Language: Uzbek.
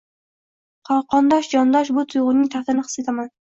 qondosh-jondosh bir tuygʻuning taftini his etaman.